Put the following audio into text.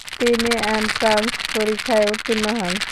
তিনি এন্ট্র্যান্স পরীক্ষায় উত্তীর্ণ হন।